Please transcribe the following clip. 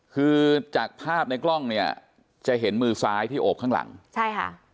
คือจากภาพในกล้องเนี่ยจะเห็นมือซ้ายที่โอบข้างหลังใช่ค่ะ